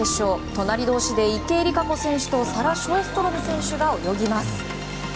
隣同士で池江璃花子選手とサラ・ショーストロム選手が泳ぎます。